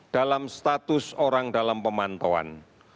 dalam status orang dalam pemantauan